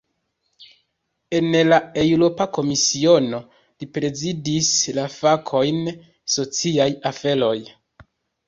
En la Eŭropa Komisiono, li prezidis la fakojn "sociaj aferoj".